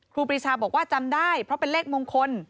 ครูปีชาบอกว่าจำได้เพราะเป็นเลขมงคล